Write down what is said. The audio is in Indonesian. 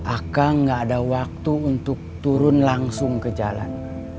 akang tidak ada waktu untuk turun langsung ke jalan